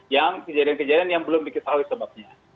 yang kejadian kejadian yang belum diketahui sebabnya